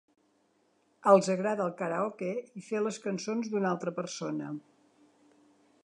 Els agrada el karaoke i fer les cançons d'una altra persona.